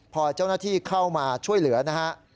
พอเจ้าหน้าที่เข้ามาช่วยเหลือนะฮะ